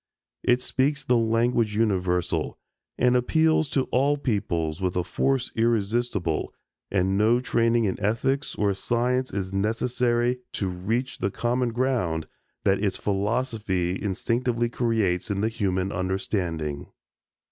It speaks the language universal, and appeals to all peoples with a force irresistible and no training in ethics or science is necessary to reach the common ground that its philosophy instinctively creates in the human understanding.